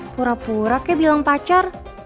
pura pura kayak bilang pacar